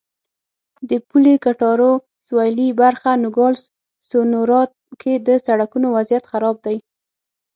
د پولې کټارو سوېلي برخه نوګالس سونورا کې د سړکونو وضعیت خراب دی.